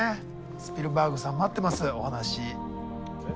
スピルバーグさん待ってますお話。